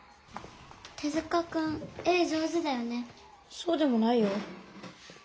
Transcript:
そうでもないよ。